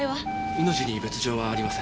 命に別条はありません。